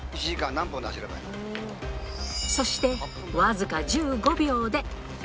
１時間、そして、僅か１５秒で。